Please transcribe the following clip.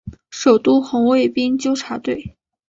首都红卫兵纠察队。